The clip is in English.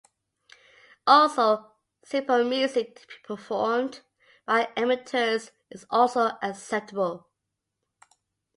Also, simple music to be performed by amateurs is also acceptable.